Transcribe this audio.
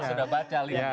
kita sudah baca linknya